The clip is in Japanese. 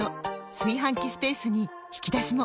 炊飯器スペースに引き出しも！